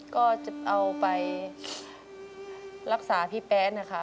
ก็จะเอาไปรักษาพี่แป๊ะนะคะ